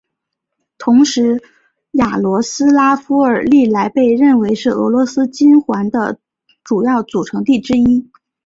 同时雅罗斯拉夫尔历来被认为是俄罗斯金环的主要组成地区之一。